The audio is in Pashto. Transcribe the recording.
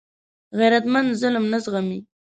غیرتمند ظلم نه زغمي